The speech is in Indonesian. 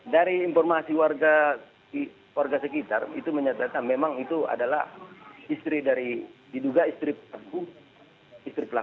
dari informasi warga sekitar itu menyatakan memang itu adalah istri dari diduga istri pelaku istri pelaku